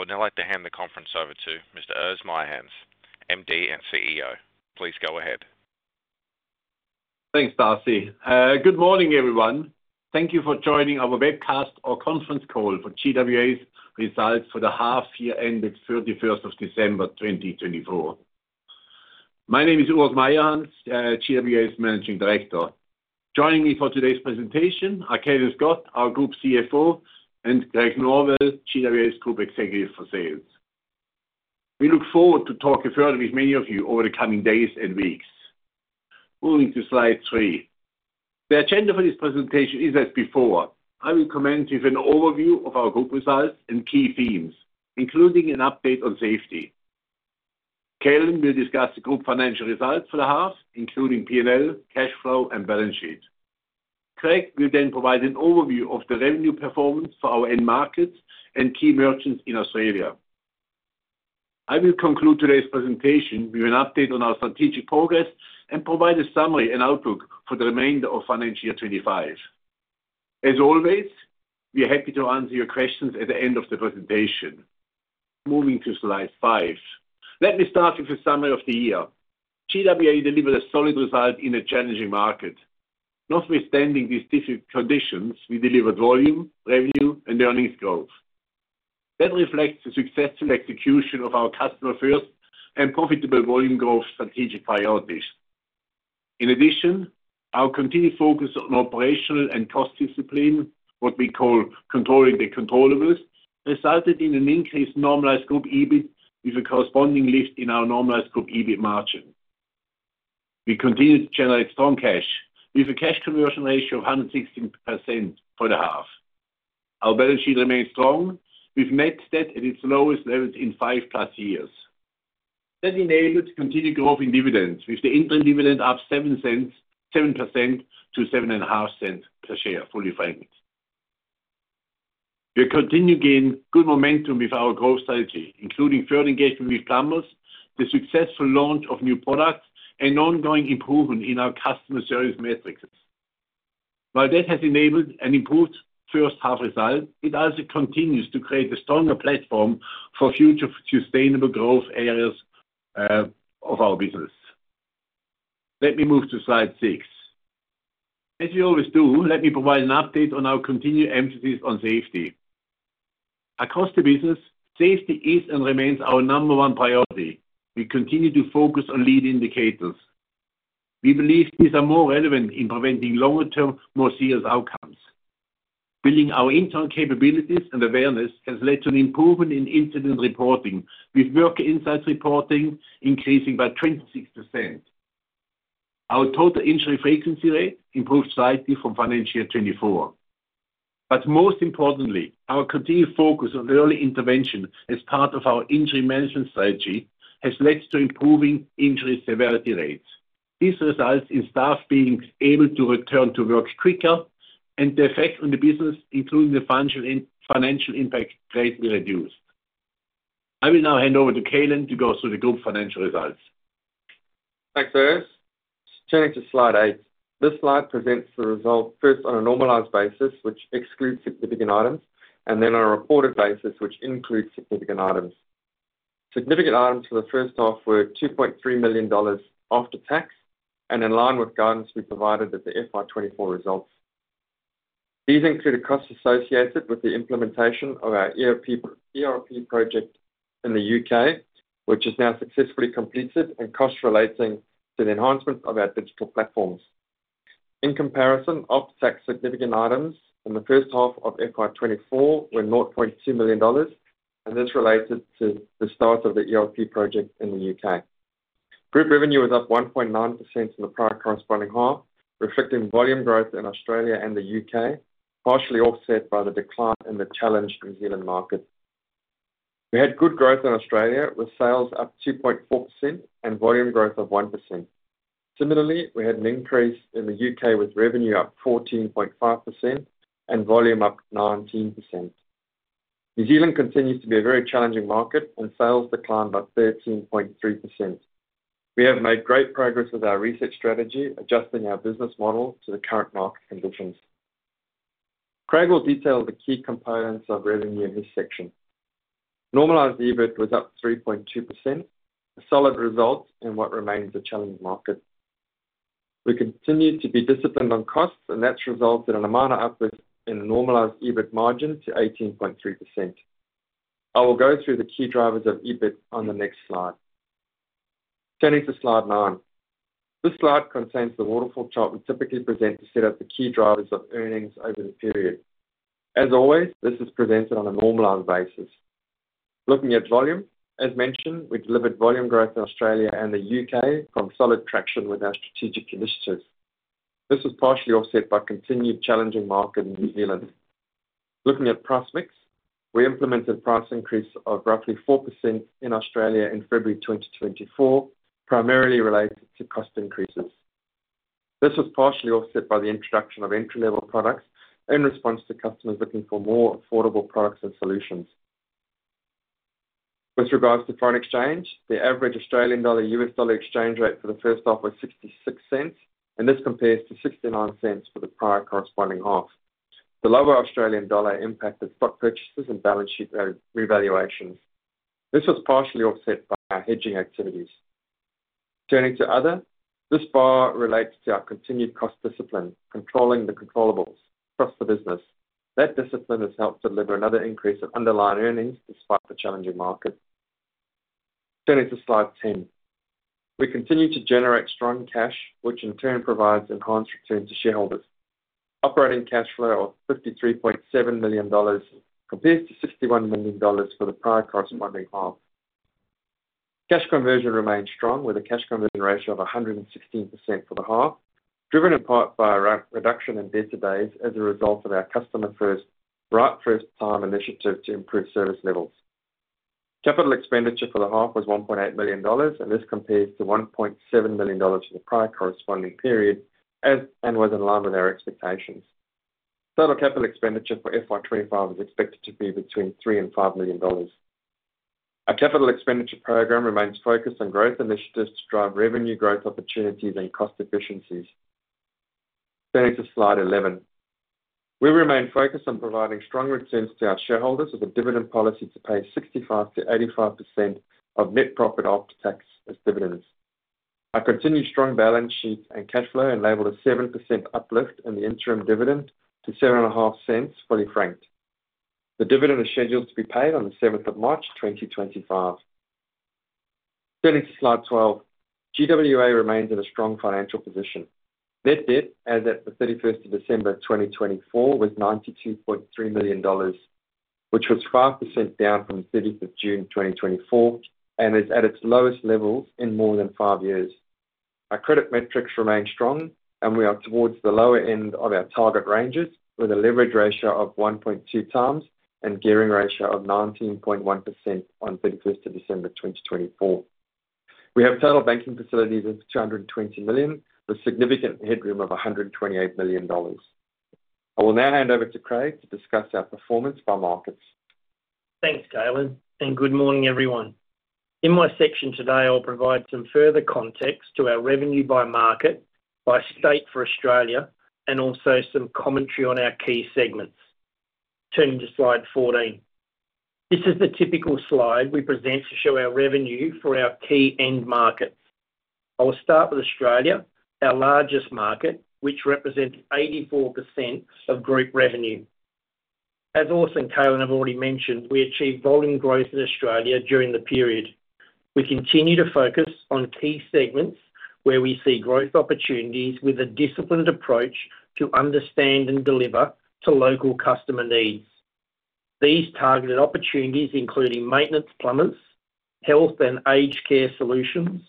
I would now like to hand the conference over to Mr. Urs Meyerhans, MD and CEO. Please go ahead. Thanks, Darcy. Good morning, everyone. Thank you for joining our webcast or conference call for GWA's Results for the Half-Year ended 31st of December 2024. My name is Urs Meyerhans, GWA's Managing Director. Joining me for today's presentation are Calin Scott, our Group CFO, and Craig Norwell, GWA's Group Executive for Sales. We look forward to talking further with many of you over the coming days and weeks. Moving to slide three. The agenda for this presentation is as before. I will commence with an overview of our group results and key themes, including an update on safety. Calin will discuss the group financial results for the half, including P&L, cash flow, and balance sheet. Craig will then provide an overview of the revenue performance for our end markets and key merchants in Australia. I will conclude today's presentation with an update on our strategic progress and provide a summary and outlook for the remainder of financial year 25. As always, we are happy to answer your questions at the end of the presentation. Moving to slide five. Let me start with a summary of the year. GWA delivered a solid result in a challenging market. Notwithstanding these difficult conditions, we delivered volume, revenue, and earnings growth. That reflects the successful execution of our Customer-First and profitable volume growth strategic priorities. In addition, our continued focus on operational and cost discipline, what we call controlling the controllables, resulted in an increased normalized group EBIT with a corresponding lift in our normalized group EBIT margin. We continued to generate strong cash with a cash conversion ratio of 116% for the half. Our balance sheet remained strong, with net debt at its lowest level in five-plus years. That enabled continued growth in dividends, with the interim dividend up 0.07, 7% to 0.075 per share, fully franked. We continue to gain good momentum with our growth strategy, including further engagement with plumbers, the successful launch of new products, and ongoing improvement in our customer service metrics. While that has enabled an improved first-half result, it also continues to create a stronger platform for future sustainable growth areas of our business. Let me move to slide six. As we always do, let me provide an update on our continued emphasis on safety. Across the business, safety is and remains our number one priority. We continue to focus on lead indicators. We believe these are more relevant in preventing longer-term, more serious outcomes. Building our internal capabilities and awareness has led to an improvement in incident reporting, with Worker Insights reporting increasing by 26%. Our total injury frequency rate improved slightly from financial year 2024. But most importantly, our continued focus on early intervention as part of our injury management strategy has led to improving injury severity rates. This results in staff being able to return to work quicker, and the effect on the business, including the financial impact, greatly reduced. I will now hand over to Calin to go through the group financial results. Thanks, Urs. Turning to slide eight. This slide presents the result first on a normalized basis, which excludes significant items, and then on a reported basis, which includes significant items. Significant items for the first half were 2.3 million dollars after tax and in line with guidance we provided at the FY24 results. These include the costs associated with the implementation of our ERP project in the UK, which is now successfully completed, and costs relating to the enhancements of our digital platforms. In comparison, after-tax significant items in the first half of FY24 were 0.2 million dollars, and this related to the start of the ERP project in the UK. Group revenue was up 1.9% in the prior corresponding half, reflecting volume growth in Australia and the UK, partially offset by the decline in the challenged New Zealand market. We had good growth in Australia, with sales up 2.4% and volume growth of 1%. Similarly, we had an increase in the U.K. with revenue up 14.5% and volume up 19%. New Zealand continues to be a very challenging market, and sales declined by 13.3%. We have made great progress with our research strategy, adjusting our business model to the current market conditions. Craig will detail the key components of revenue in this section. Normalized EBIT was up 3.2%, a solid result in what remains a challenged market. We continue to be disciplined on costs, and that's resulted in a minor uplift in the normalized EBIT margin to 18.3%. I will go through the key drivers of EBIT on the next slide. Turning to slide nine. This slide contains the waterfall chart we typically present to set up the key drivers of earnings over the period. As always, this is presented on a normalized basis. Looking at volume, as mentioned, we delivered volume growth in Australia and the U.K. from solid traction with our strategic initiatives. This was partially offset by continued challenging market in New Zealand. Looking at price mix, we implemented price increase of roughly 4% in Australia in February 2024, primarily related to cost increases. This was partially offset by the introduction of entry-level products in response to customers looking for more affordable products and solutions. With regards to foreign exchange, the average Australian dollar-US dollar exchange rate for the first half was 0.66, and this compares to 0.69 for the prior corresponding half. The lower Australian dollar impacted stock purchases and balance sheet revaluations. This was partially offset by our hedging activities. Turning to other, this bar relates to our continued cost discipline, controlling the controllables, plus the business. That discipline has helped deliver another increase of underlying earnings despite the challenging market. Turning to slide 10, we continue to generate strong cash, which in turn provides enhanced returns to shareholders. Operating cash flow of 53.7 million dollars compares to 61 million dollars for the prior corresponding half. Cash conversion remained strong, with a cash conversion ratio of 116% for the half, driven in part by our reduction in debtor days as a result of our Customer-First Right First Time initiative to improve service levels. Capital expenditure for the half was 1.8 million dollars, and this compares to 1.7 million dollars for the prior corresponding period and was in line with our expectations. Total capital expenditure for FY25 is expected to be between 3 million and 5 million dollars. Our capital expenditure program remains focused on growth initiatives to drive revenue growth opportunities and cost efficiencies. Turning to slide 11, we remain focused on providing strong returns to our shareholders with a dividend policy to pay 65%-85% of net profit after tax as dividends. Our continued strong balance sheet and cash flow enabled a 7% uplift in the interim dividend to 0.075, fully franked. The dividend is scheduled to be paid on the 7th of March 2025. Turning to slide 12, GWA remains in a strong financial position. Net debt, as at the 31st of December 2024, was 92.3 million dollars, which was 5% down from the 30th of June 2024 and is at its lowest levels in more than five years. Our credit metrics remain strong, and we are towards the lower end of our target ranges with a leverage ratio of 1.2 times and gearing ratio of 19.1% on 31st of December 2024. We have total banking facilities of 220 million, with significant headroom of 128 million dollars. I will now hand over to Craig to discuss our performance by markets. Thanks, Calin, and good morning, everyone. In my section today, I'll provide some further context to our revenue by market by state for Australia and also some commentary on our key segments. Turning to slide 14, this is the typical slide we present to show our revenue for our key end markets. I will start with Australia, our largest market, which represents 84% of group revenue. As Urs and Calin have already mentioned, we achieved volume growth in Australia during the period. We continue to focus on key segments where we see growth opportunities with a disciplined approach to understand and deliver to local customer needs. These targeted opportunities include maintenance plumbers, health and aged care solutions,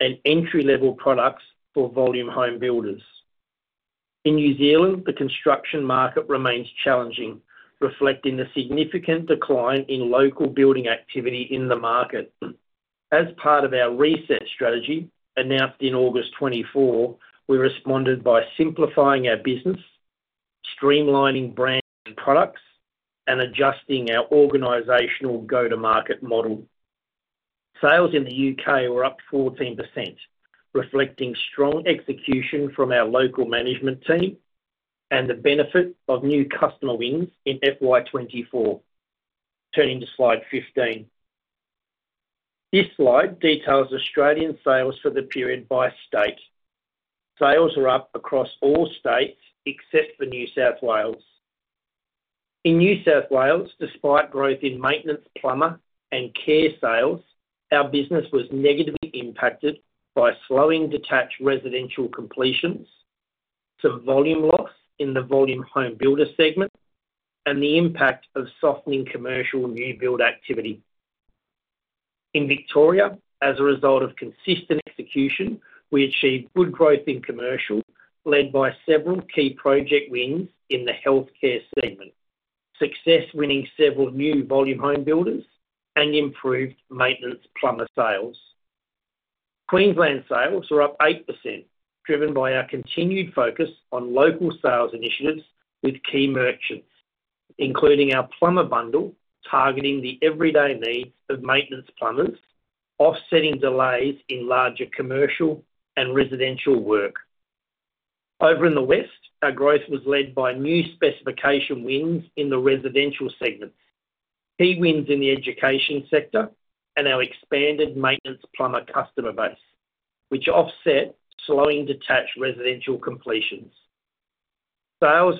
and entry-level products for volume home builders. In New Zealand, the construction market remains challenging, reflecting the significant decline in local building activity in the market. As part of our reset strategy announced in August 2024, we responded by simplifying our business, streamlining brand products, and adjusting our organizational go-to-market model. Sales in the U.K. were up 14%, reflecting strong execution from our local management team and the benefit of new customer wins in FY24. Turning to slide 15, this slide details Australian sales for the period by state. Sales were up across all states except for New South Wales. In New South Wales, despite growth in maintenance plumber and care sales, our business was negatively impacted by slowing detached residential completions, some volume loss in the volume home builder segment, and the impact of softening commercial new build activity. In Victoria, as a result of consistent execution, we achieved good growth in commercial, led by several key project wins in the healthcare segment, success winning several new volume home builders and improved maintenance plumber sales. Queensland sales were up 8%, driven by our continued focus on local sales initiatives with key merchants, including our Plumber's Bundle targeting the everyday needs of maintenance plumbers, offsetting delays in larger commercial and residential work. Over in the west, our growth was led by new specification wins in the residential segments, key wins in the education sector, and our expanded maintenance plumber customer base, which offset slowing detached residential completions. South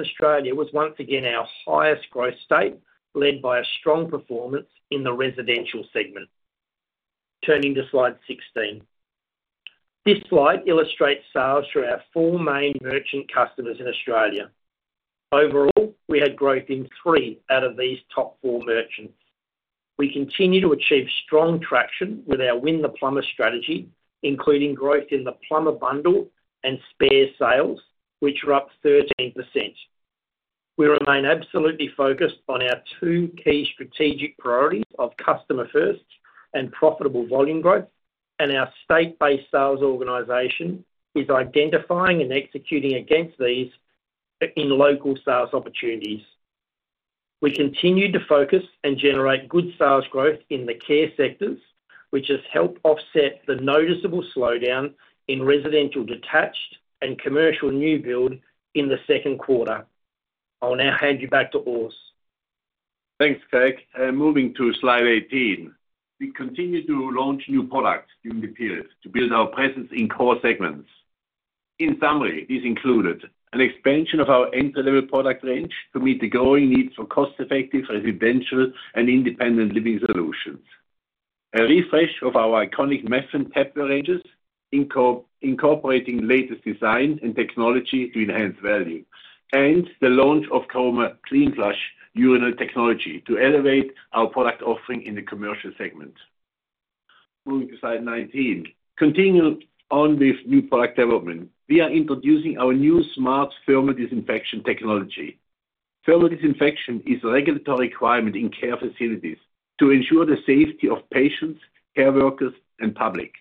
Australia was once again our highest growth state, led by a strong performance in the residential segment. Turning to slide 16, this slide illustrates sales through our four main merchant customers in Australia. Overall, we had growth in three out of these top four merchants. We continue to achieve strong traction with our Win the Plumber strategy, including growth in the Plumber's Bundle and spare sales, which are up 13%. We remain absolutely focused on our two key strategic priorities of Customer-First and profitable volume growth, and our state-based sales organization is identifying and executing against these in local sales opportunities. We continue to focus and generate good sales growth in the care sectors, which has helped offset the noticeable slowdown in residential detached and commercial new build in the second quarter. I'll now hand you back to Urs. Thanks, Craig. And moving to slide 18, we continue to launch new products during the period to build our presence in core segments. In summary, this included an expansion of our entry-level product range to meet the growing need for cost-effective residential and independent living solutions, a refresh of our iconic Methven and Caroma ranges incorporating latest design and technology to enhance value, and the launch of Cleanflush urinal technology to elevate our product offering in the commercial segment. Moving to slide 19, continuing on with new product development, we are introducing our new smart thermal disinfection technology. Thermal disinfection is a regulatory requirement in care facilities to ensure the safety of patients, care workers, and public.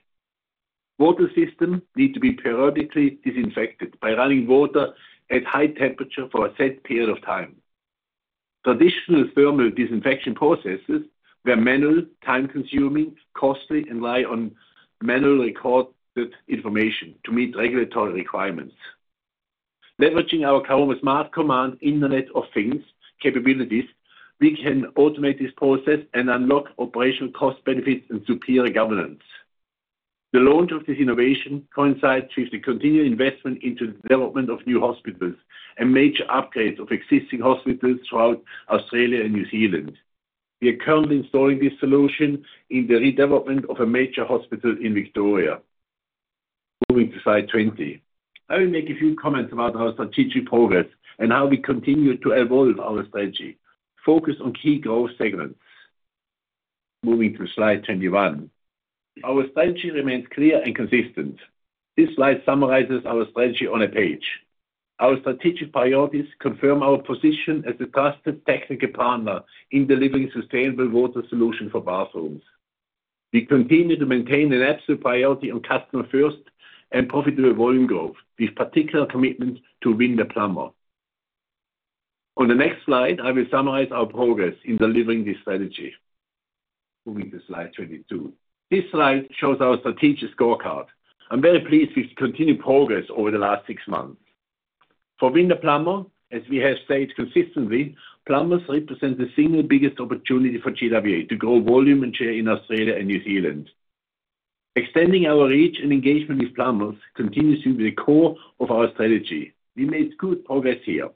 Water systems need to be periodically disinfected by running water at high temperature for a set period of time. Traditional thermal disinfection processes were manual, time-consuming, costly, and rely on manually recorded information to meet regulatory requirements. Leveraging our Caroma Smart Command Internet of Things capabilities, we can automate this process and unlock operational cost benefits and superior governance. The launch of this innovation coincides with the continued investment into the development of new hospitals and major upgrades of existing hospitals throughout Australia and New Zealand. We are currently installing this solution in the redevelopment of a major hospital in Victoria. Moving to slide 20, I will make a few comments about our strategic progress and how we continue to evolve our strategy, focused on key growth segments. Moving to slide 21, our strategy remains clear and consistent. This slide summarizes our strategy on a page. Our strategic priorities confirm our position as a trusted technical partner in delivering sustainable water solutions for bathrooms. We continue to maintain an absolute priority on Customer-First and profitable volume growth with particular commitment to Win the Plumber. On the next slide, I will summarize our progress in delivering this strategy. Moving to slide 22, this slide shows our strategic scorecard. I'm very pleased with the continued progress over the last six months. For Win the Plumber, as we have said consistently, plumbers represent the single biggest opportunity for GWA to grow volume and share in Australia and New Zealand. Extending our reach and engagement with plumbers continues to be the core of our strategy. We made good progress here.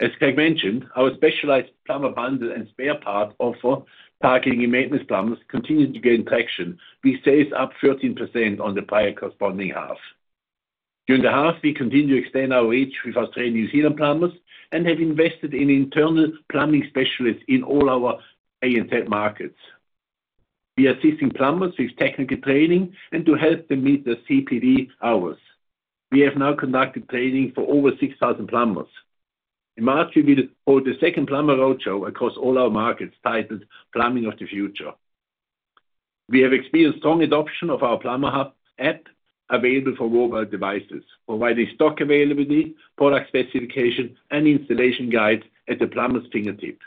As Craig mentioned, our specialized Plumber's Bundle and spare parts offering targeting maintenance plumbers continue to gain traction, which is up 13% on the prior corresponding half. During the half, we continue to extend our reach with Australian New Zealand plumbers and have invested in internal plumbing specialists in all our ANZ markets. We are assisting plumbers with technical training and to help them meet the CPD hours. We have now conducted training for over 6,000 plumbers. In March, we will hold the second plumber roadshow across all our markets titled "Plumbing of the Future." We have experienced strong adoption of our Plumbers Hub app available for mobile devices, providing stock availability, product specification, and installation guides at the plumber's fingertip.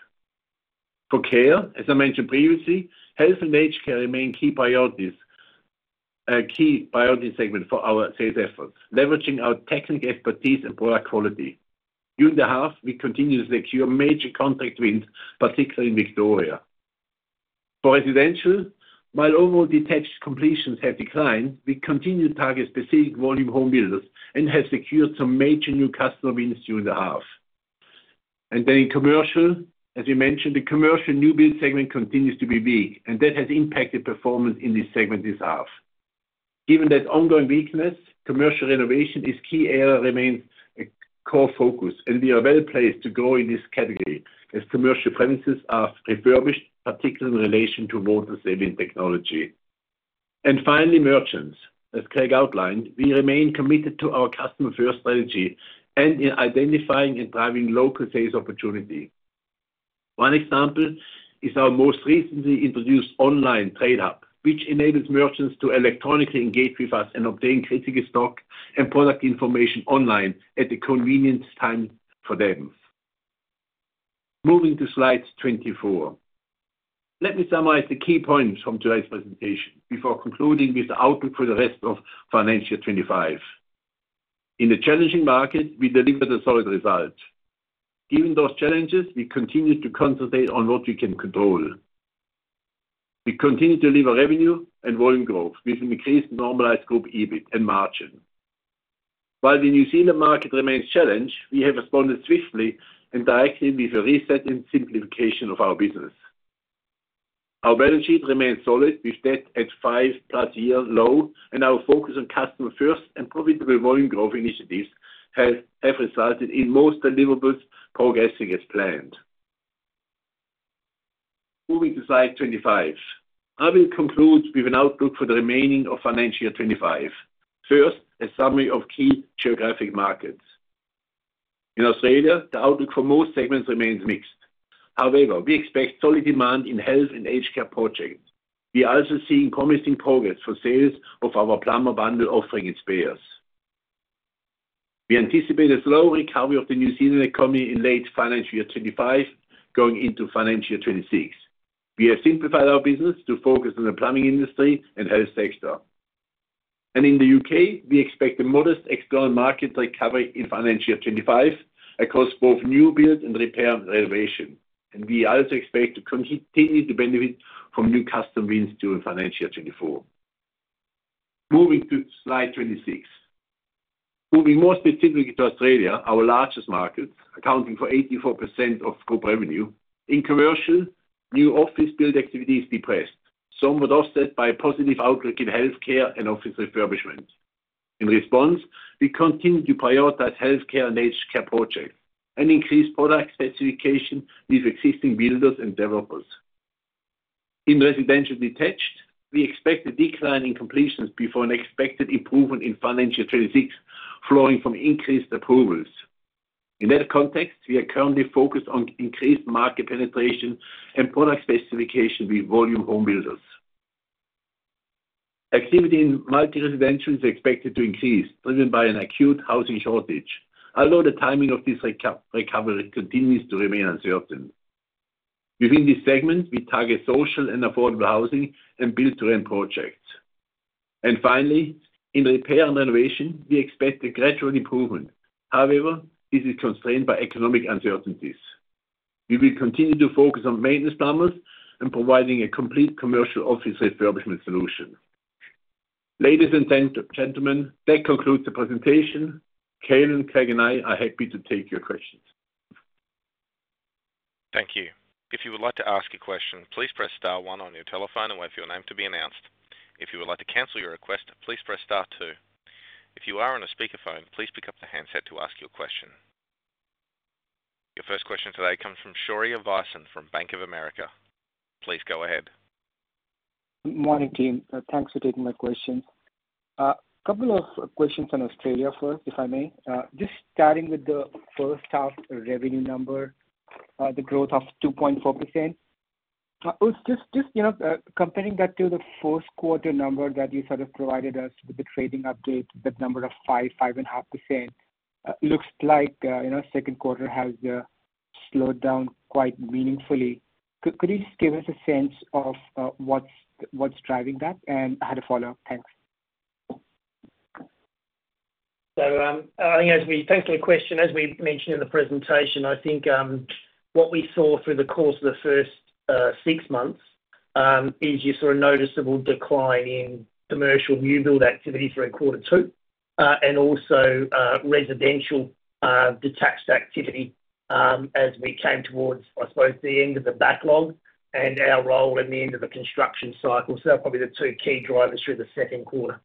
For care, as I mentioned previously, health and aged care remain key priorities, a key priority segment for our sales efforts, leveraging our technical expertise and product quality. During the half, we continued to secure major contract wins, particularly in Victoria. For residential, while overall detached completions have declined, we continue to target specific volume home builders and have secured some major new customer wins during the half. And then in commercial, as we mentioned, the commercial new build segment continues to be weak, and that has impacted performance in this segment this half. Given that ongoing weakness, commercial renovation is a key area that remains a core focus, and we are well placed to grow in this category as commercial premises are refurbished, particularly in relation to water saving technology. And finally, merchants. As Craig outlined, we remain committed to our Customer-First strategy and in identifying and driving local sales opportunity. One example is our most recently introduced online TradeHub, which enables merchants to electronically engage with us and obtain critical stock and product information online at the convenient time for them. Moving to slide 24, let me summarize the key points from today's presentation before concluding with the outlook for the rest of financial 25. In the challenging market, we delivered a solid result. Given those challenges, we continue to concentrate on what we can control. We continue to deliver revenue and volume growth with an increased normalized group EBIT and margin. While the New Zealand market remains challenged, we have responded swiftly and directly with a reset and simplification of our business. Our balance sheet remains solid with debt at five-plus-year low, and our focus on Customer-First and profitable volume growth initiatives have resulted in most deliverables progressing as planned. Moving to slide 25, I will conclude with an outlook for the remaining of financial year 25. First, a summary of key geographic markets. In Australia, the outlook for most segments remains mixed. However, we expect solid demand in health and aged care projects. We are also seeing promising progress for sales of our Plumber's Bundle offering in spares. We anticipate a slow recovery of the New Zealand economy in late financial year 2025, going into financial year 2026. We have simplified our business to focus on the plumbing industry and health sector, and in the U.K., we expect a modest external market recovery in financial year 2025 across both new build and repair renovation, and we also expect to continue to benefit from new customer wins during financial year 2024. Moving to slide 26, moving more specifically to Australia, our largest markets, accounting for 84% of group revenue, in commercial, new office build activities depressed, somewhat offset by a positive outlook in healthcare and office refurbishment. In response, we continue to prioritize healthcare and aged care projects and increase product specification with existing builders and developers. In residential detached, we expect a decline in completions before an expected improvement in FY26, flowing from increased approvals. In that context, we are currently focused on increased market penetration and product specification with volume home builders. Activity in multi-residential is expected to increase, driven by an acute housing shortage, although the timing of this recovery continues to remain uncertain. Within this segment, we target social and affordable housing and build-to-rent projects. And finally, in repair and renovation, we expect a gradual improvement. However, this is constrained by economic uncertainties. We will continue to focus on maintenance plumbers and providing a complete commercial office refurbishment solution. Ladies and gentlemen, that concludes the presentation. Calin, Craig, and I are happy to take your questions. Thank you. If you would like to ask a question, please press star one on your telephone and wait for your name to be announced. If you would like to cancel your request, please press star two. If you are on a speakerphone, please pick up the handset to ask your question. Your first question today comes from Shaurya Visen from Bank of America. Please go ahead. Morning, Team. Thanks for taking my question. A couple of questions on Australia first, if I may. Just starting with the first half revenue number, the growth of 2.4%. Just comparing that to the fourth quarter number that you sort of provided us with the trading update, that number of 5%-5.5%, looks like second quarter has slowed down quite meaningfully. Could you just give us a sense of what's driving that? And I had a follow-up. Thanks. Thanks for your question, as we mentioned in the presentation, I think what we saw through the course of the first six months is a sort of noticeable decline in commercial new build activity through quarter two and also residential detached activity as we came towards, I suppose, the end of the backlog and overall at the end of the construction cycle. That's probably the two key drivers through the second quarter.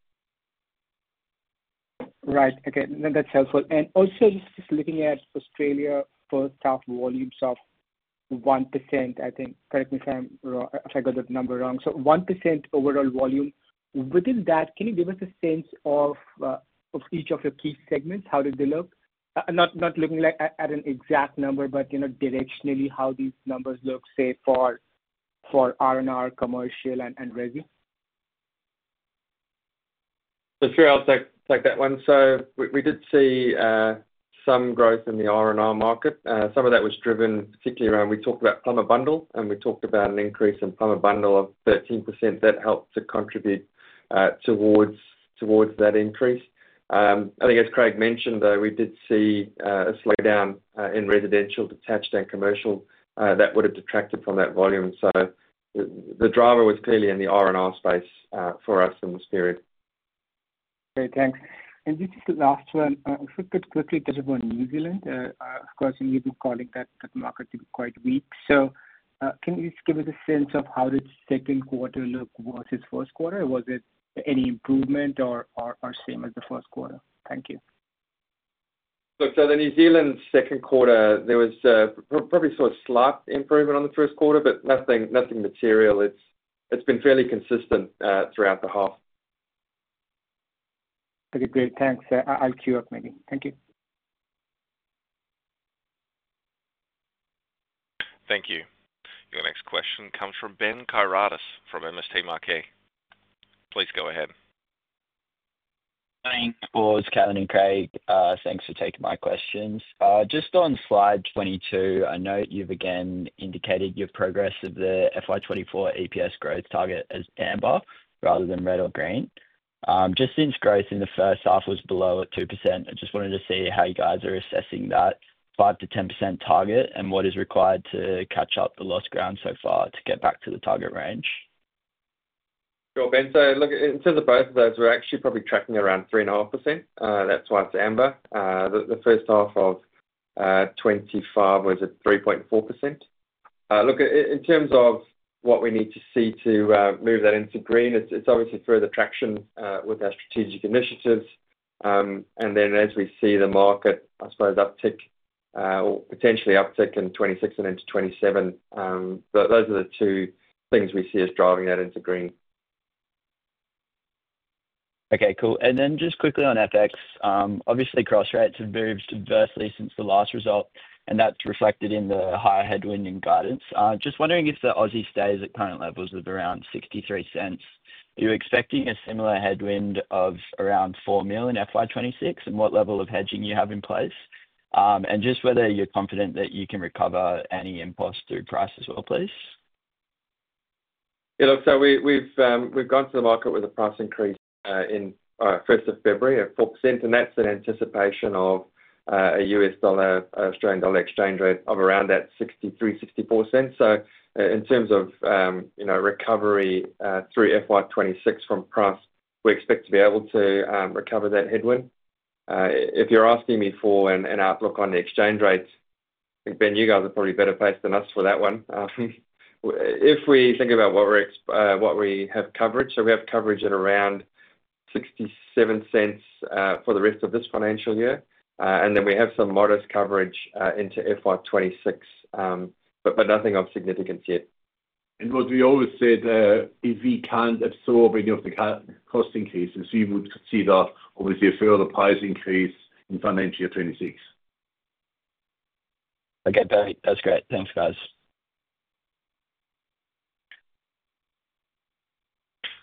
Right. Okay, that's helpful, and also just looking at Australia first half volumes of 1%, I think. Correct me if I got that number wrong, so 1% overall volume. Within that, can you give us a sense of each of your key segments? How did they look? Not looking at an exact number, but directionally how these numbers look, say, for R&R, commercial, and resi. So, throughout that one, so we did see some growth in the R&R market. Some of that was driven particularly around, we talked about Plumber's Bundle, and we talked about an increase in Plumber's Bundle of 13%. That helped to contribute towards that increase. I think as Craig mentioned, though, we did see a slowdown in residential detached and commercial that would have detracted from that volume. So the driver was clearly in the R&R space for us in this period. Okay. Thanks, and just the last one, if we could quickly touch upon New Zealand. Of course, we've been calling that market quite weak, so can you just give us a sense of how did second quarter look versus first quarter? Was it any improvement or same as the first quarter? Thank you. So the New Zealand second quarter, there was probably sort of slight improvement on the first quarter, but nothing material. It's been fairly consistent throughout the half. Okay. Great. Thanks. I'll queue up maybe. Thank you. Thank you. Your next question comes from Ben Kairaitis from MST Marquee. Please go ahead. Thanks, Urs, Calin, and Craig. Thanks for taking my questions. Just on slide 22, I note you've again indicated your progress of the FY24 EPS growth target as amber rather than red or green. Just since growth in the first half was below 2%, I just wanted to see how you guys are assessing that 5%-10% target and what is required to catch up the lost ground so far to get back to the target range? Sure. So in terms of both of those, we're actually probably tracking around 3.5%. That's why it's amber. The first half of 2025 was at 3.4%. Look, in terms of what we need to see to move that into green, it's obviously further traction with our strategic initiatives. And then as we see the market, I suppose, uptick or potentially uptick in 2026 and into 2027, those are the two things we see us driving that into green. Okay. Cool. And then just quickly on FX, obviously, cross rates have moved adversely since the last result, and that's reflected in the higher headwind and guidance. Just wondering if the Aussie stays at current levels of around 63 cents? Are you expecting a similar headwind of around $4 million in FY26 and what level of hedging you have in place? And just whether you're confident that you can recover any impact through price as well, please? Yeah, so we've gone to the market with a price increase in 1st of February at 4%, and that's in anticipation of a U.S. dollar, Australian dollar exchange rate of around $0.63-$0.64. So in terms of recovery through FY26 from price, we expect to be able to recover that headwind. If you're asking me for an outlook on the exchange rate, I think, Ben, you guys are probably better placed than us for that one. If we think about what we have coverage, so we have coverage at around $0.67 for the rest of this financial year, and then we have some modest coverage into FY26, but nothing of significance yet. What we always said, if we can't absorb any of the cost increases, we would consider, obviously, a further price increase in financial year 2026. Okay. That's great. Thanks, guys.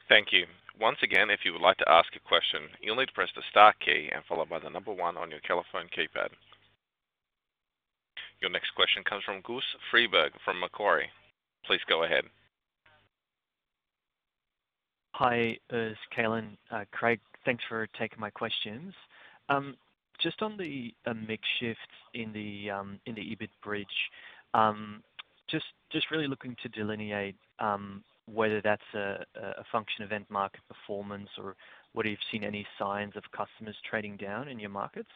Thank you. Once again, if you would like to ask a question, you'll need to press the star key and followed by the number one on your telephone keypad. Your next question comes from Gus Freer from Macquarie. Please go ahead. Hi. It's Calin. Craig, thanks for taking my questions. Just on the mix shift in the EBIT bridge, just really looking to delineate whether that's a function of end market performance or whether you've seen any signs of customers trading down in your markets.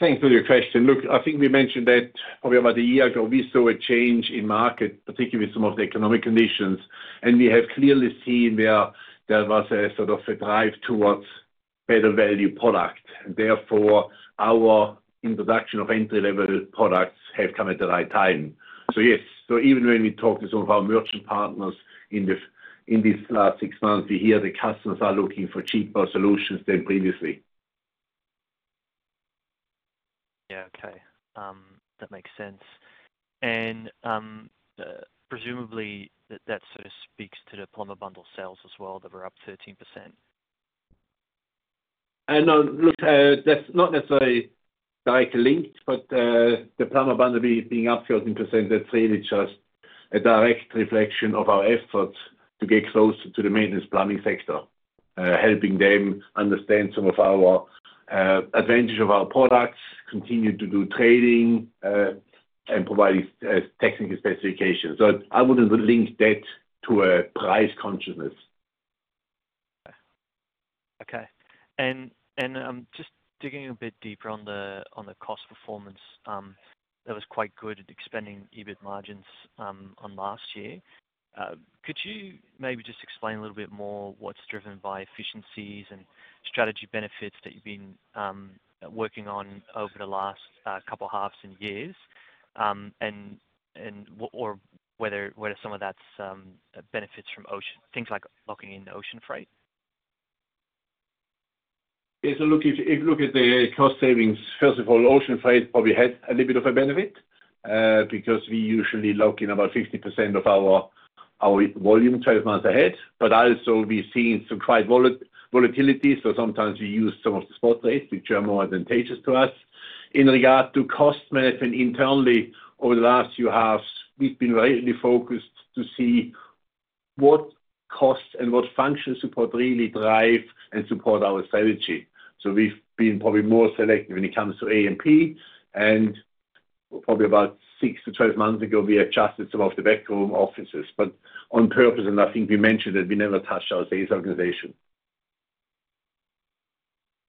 Thanks for your question. Look, I think we mentioned that probably about a year ago, we saw a change in market, particularly with some of the economic conditions, and we have clearly seen there was a sort of a drive towards better value product. Therefore, our introduction of entry-level products has come at the right time. So yes. So even when we talk to some of our merchant partners in these last six months, we hear the customers are looking for cheaper solutions than previously. Yeah. Okay. That makes sense, and presumably, that sort of speaks to the Plumber's Bundle sales as well that were up 13%. And look, that's not necessarily directly linked, but the Plumber's Bundle being up 13%, that's really just a direct reflection of our efforts to get closer to the maintenance plumbing sector, helping them understand some of the advantages of our products, continue to do training, and provide technical specifications. So I wouldn't link that to a price consciousness. Okay. And just digging a bit deeper on the cost performance, that was quite good at expanding EBIT margins last year. Could you maybe just explain a little bit more what's driven by efficiencies and strategy benefits that you've been working on over the last couple of halves and years, and whether some of that benefits from things like locking in the ocean freight? If you look at the cost savings, first of all, ocean freight probably had a little bit of a benefit because we usually lock in about 50% of our volume 12 months ahead. But also, we've seen some quite volatility. So sometimes we use some of the spot rates which are more advantageous to us. In regard to cost management internally, over the last few halves, we've been very focused to see what costs and what function support really drive and support our strategy. So we've been probably more selective when it comes to A&P. And probably about 6-12 months ago, we adjusted some of the backroom offices. But on purpose, and I think we mentioned that we never touched our sales organization.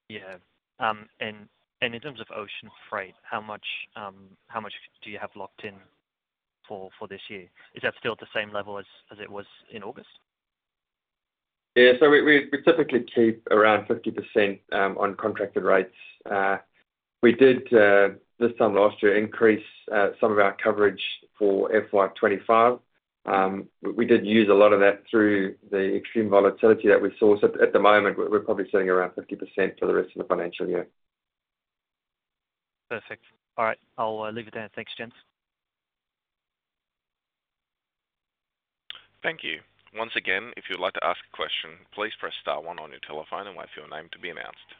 Yeah. And in terms of ocean freight, how much do you have locked in for this year? Is that still at the same level as it was in August? Yeah. So we typically keep around 50% on contracted rates. We did, this time last year, increase some of our coverage for FY25. We did use a lot of that through the extreme volatility that we saw. So at the moment, we're probably sitting around 50% for the rest of the financial year. Perfect. All right. I'll leave it there. Thanks gents. Thank you. Once again, if you'd like to ask a question, please press star one on your telephone and wait for your name to be announced.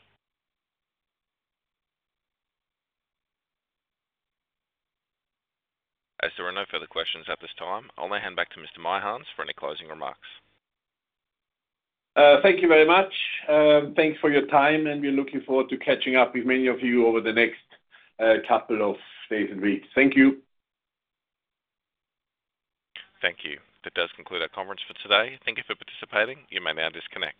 As there are no further questions at this time, I'll now hand back to Mr. Meyerhans for any closing remarks. Thank you very much. Thanks for your time, and we're looking forward to catching up with many of you over the next couple of days and weeks. Thank you. Thank you. That does conclude our conference for today. Thank you for participating. You may now disconnect.